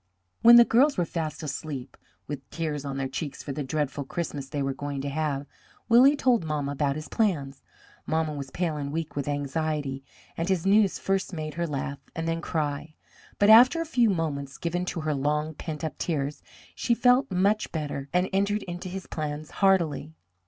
When the girls were fast asleep, with tears on their cheeks for the dreadful Christmas they were going to have, Willie told mamma about his plans. Mamma was pale and weak with anxiety, and his news first made her laugh and then cry. But after a few moments given to her long pent up tears, she felt much better and entered into his plans heartily.